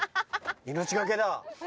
命懸けだ。